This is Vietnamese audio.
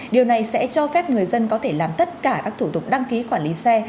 điều này sẽ cho phép người dân có thể làm tất cả các thủ tục đăng ký quản lý xe